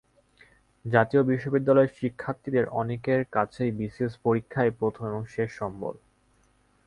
জাতীয় বিশ্ববিদ্যালয়ের শিক্ষার্থীদের অনেকের কাছেই বিসিএস পরীক্ষাই প্রথম এবং শেষ সম্বল।